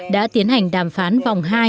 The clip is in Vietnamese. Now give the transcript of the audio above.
đã tiến hành đàm phán vòng hai